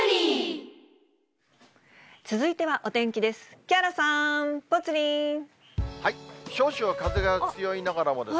続いてはお天気です。